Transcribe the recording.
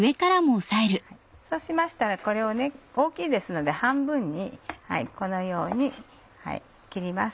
そうしましたらこれを大きいですので半分にこのように切ります。